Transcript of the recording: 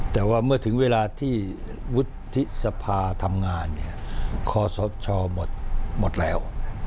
แต่ว่าเมื่อถึงเวลาที่วุฒิสภาทำงานเนี่ยคอสชหมดแล้ว